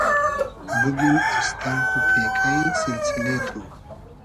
بوگیم از تۆق و پېکݷ سیلسیلې تو